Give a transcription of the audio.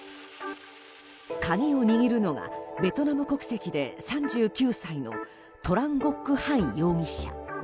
鍵を握るのがベトナム国籍で３９歳のトラン・ゴック・ハン容疑者。